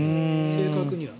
正確には。